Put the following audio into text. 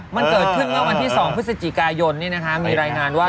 มันเกิดขึ้นเมื่อวันที่๒พฤศจิกายนมีรายงานว่า